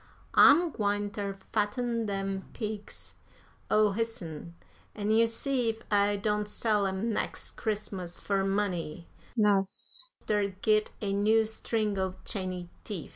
I'm gwine ter fatten dem pigs o' hisn, an' you see ef I don't sell 'em nex' Christmas fur money 'nouf ter git a new string o' chany teef."